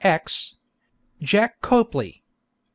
_ X _JACK COPLEY.